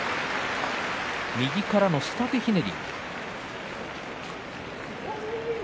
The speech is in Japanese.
右からの下手ひねり。